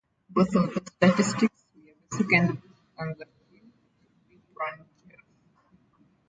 Both of those statistics were the second best on the team, to LeBron James.